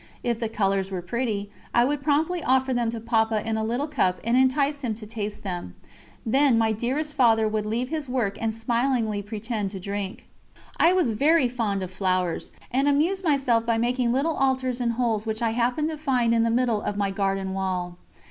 If the colours were pretty, I would promptly offer them to Papa in a little cup and entice him to taste them; then my dearest Father would leave his work and smilingly pretend to drink. I was very fond of flowers, and amused myself by making little altars in holes which I happened to find in the middle of my garden wall.